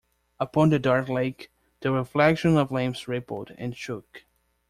Upon the dark lake the reflections of lamps rippled and shook.